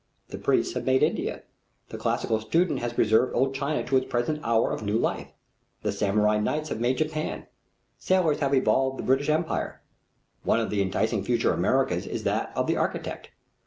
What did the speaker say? The priests have made India. The classical student has preserved Old China to its present hour of new life. The samurai knights have made Japan. Sailors have evolved the British Empire. One of the enticing future Americas is that of the architect.